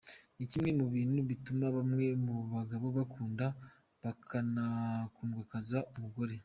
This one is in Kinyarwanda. Ni kimwe mu bintu bituma bamwe mu bagabo bakunda bakanakundwakaza umugore.